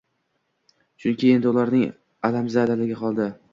Chunki endi ularning alamzadaligi qoldi.